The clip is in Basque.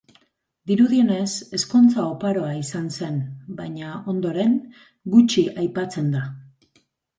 Dirudienez, ezkontza oparoa izan zen, baina, ondoren, gutxi aipatzen da.